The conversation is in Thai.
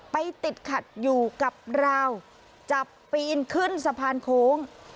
ไปติดขัดอยู่กับราวจับปีนขึ้นสะพานโค้ง